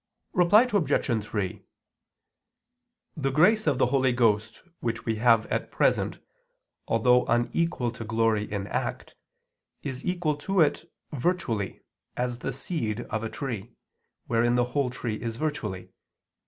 Reply Obj. 3: The grace of the Holy Ghost which we have at present, although unequal to glory in act, is equal to it virtually as the seed of a tree, wherein the whole tree is virtually.